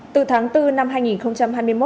từ tháng bốn năm hai nghìn hai mươi một